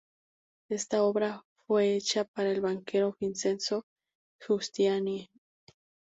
Esta obra fue hecha para el banquero Vincenzo Giustiniani.